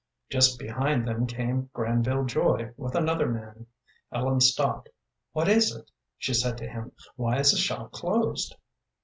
Just behind them came Granville Joy, with another man. Ellen stopped. "What is it?" she said to him. "Why is the shop closed?"